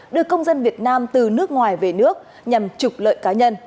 đưa công dân việt nam từ nước ngoài về nước nhằm trục lợi cá nhân